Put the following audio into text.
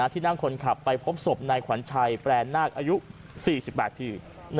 ที่นั่งคนขับไปพบศพในขวัญชัยแปลนหน้าอายุ๔๘ผี